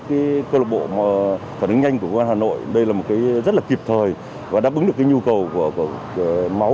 cái cơ bộ phản ứng nhanh của hà nội đây là một cái rất là kịp thời và đáp ứng được nhu cầu của máu